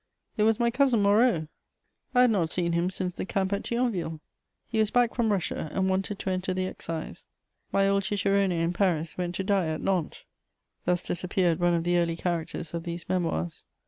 It was my cousin Moreau! I had not seen him since the camp at Thionville. He was back from Russia and wanted to enter the excise. My old cicerone in Paris went to die at Nantes. Thus disappeared one of the early characters of these Memoirs.